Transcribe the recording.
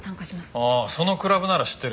ああそのクラブなら知ってる。